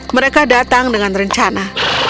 mereka datang dengan rencana